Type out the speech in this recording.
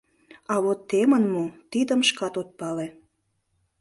А вот темын мо — тидым шкат ок пале.